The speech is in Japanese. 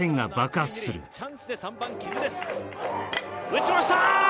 打ちましたー！